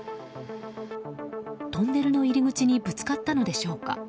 トンネルの入り口にぶつかったのでしょうか。